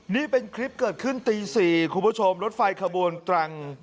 นี่เป็นคลิปเกิดขึ้นตี๔คุณผู้ชมรถไฟขบวนตรัง